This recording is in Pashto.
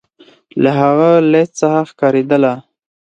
له هغه لیست څخه ښکارېدله.